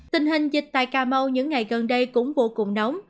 tình hình dịch tại cà mau những ngày gần đây cũng vô cùng nóng